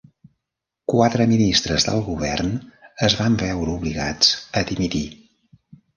Quatre ministres del govern es van veure obligats a dimitir.